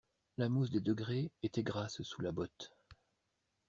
La mousse des degrés était grasse sous la botte.